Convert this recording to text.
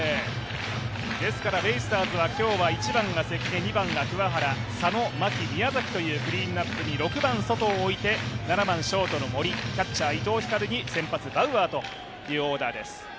ですからベイスターズは今日は１番が関根、２番が桑原、佐野、牧、宮崎というクリーンアップに６番ソトを置いて、７番ショートの森８番、伊藤光に先発はバウアーです。